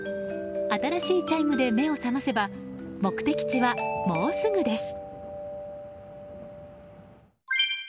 新しいチャイムで目を覚ませば目的地はもうすぐです。